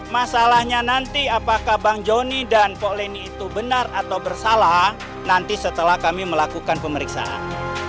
masalahnya nanti apakah bang joni dan pok leni itu benar atau bersalah nanti setelah kami melakukan pemeriksaan